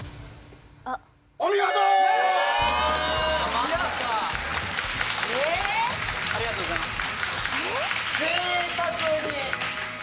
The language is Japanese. マジか⁉ありがとうございます。